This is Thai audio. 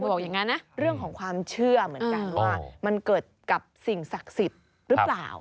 บอกอย่างนั้นนะเรื่องของความเชื่อเหมือนกันว่ามันเกิดกับสิ่งศักดิ์สิทธิ์หรือเปล่า